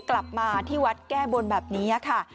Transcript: กลับมาที่วัดแก้บนแบบนี้ค่ะ